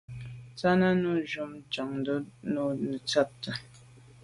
Tshana mo’ nshun Njantùn to’ netshabt’é.